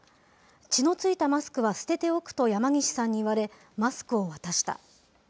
血の付いたマスクは捨てておくと山岸さんに言われ、マスクを渡した。